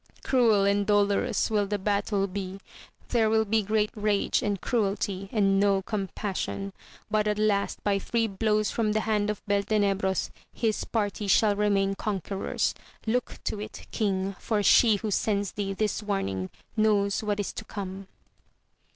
Cruel and dolorous will the battle be ; there will be great rage and cruelty, and no compassion. But at last by three blows from the hand of Beltenebros his party shall remain con querors. Look to it king, for she who sends thee this warning knows what is to come